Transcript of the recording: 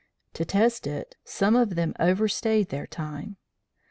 To test it, some of them overstayed their time.